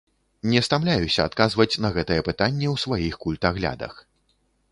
Не стамляюся адказваць на гэтае пытанне ў сваіх культаглядах.